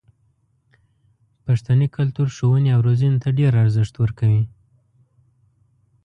پښتني کلتور ښوونې او روزنې ته ډېر ارزښت ورکوي.